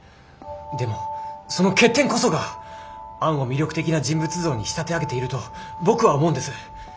でもその欠点こそがアンを魅力的な人物像に仕立て上げていると僕は思うんです。